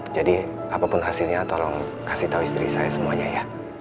jadi apapun hasilnya tolong kasih tau istri saya semuanya ya